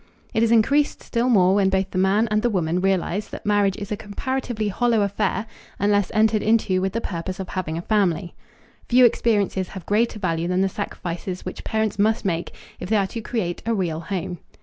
It is increased still more when both the man and the woman realize that marriage is a comparatively hollow affair unless entered into with the purpose of having a family. Few experiences have greater value than the sacrifices which parents must make if they are to create a real home.